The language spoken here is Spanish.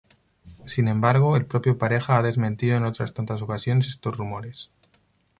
Sin embargo, el propio Pareja ha desmentido en otras tantas ocasiones estos rumores.